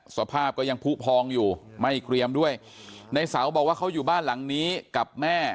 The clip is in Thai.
สภาพก็ยังผู้พองอยู่ไม่เกรียมด้วยในเสาบอกว่าเขาอยู่บ้านหลังนี้กับแม่